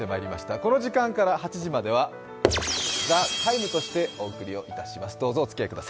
この時間から８時までは「ＴＨＥＴＩＭＥ，」としてお送りしてまいります。